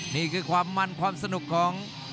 นี่คือความมันความสนุกของ